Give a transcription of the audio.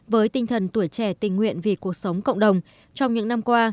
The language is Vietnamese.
với tinh thần tuổi trẻ tình nguyện vì cuộc sống cộng đồng trong những năm qua